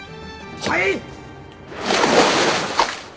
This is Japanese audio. はい！